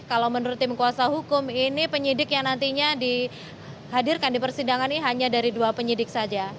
kalau menurut tim kuasa hukum ini penyidik yang nantinya dihadirkan di persidangan ini hanya dari dua penyidik saja